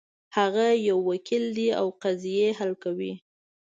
هغه یو وکیل ده او قضیې حل کوي